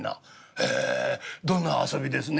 「へえどんな遊びですねん？」。